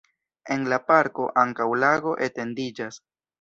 En la parko ankaŭ lago etendiĝas.